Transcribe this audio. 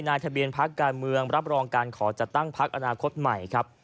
นายทะเบียนพักการเมืองรับรองการขอจัดตั้งพักอนาคตใหม่ครับ